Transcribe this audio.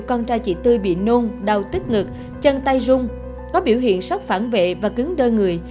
con trai chị tươi bị nôn đau tức ngực chân tay rung có biểu hiện sốc phản vệ và cứng đơn người